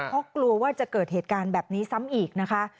เพราะกลัวว่าจะเกิดเหตุการณ์แบบนี้ซ้ำอีกนะคะ